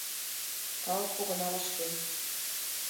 Калык погына вашкен;